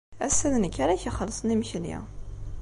Ass-a d nekk ara ak-ixellṣen imekli.